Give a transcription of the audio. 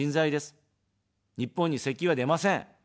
日本に石油は出ません。